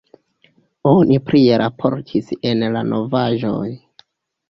Oni prie raportis en la novaĵoj.